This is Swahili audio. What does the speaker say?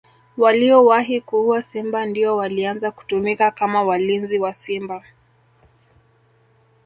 Waliowahi kuua simba ndio walianza kutumika kama walinzi wa simba